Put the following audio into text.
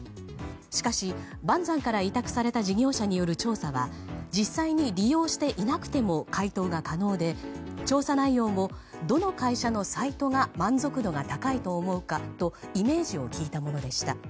しかし、バンザンから委託された事業者による調査は実際に利用していなくても回答が可能で調査内容もどの会社のサイトが満足度が高いと思うかとイメージを聞いたものでした。